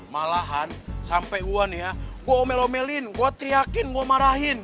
malahan sampai uan ya gue omel omelin gue teriakin gue marahin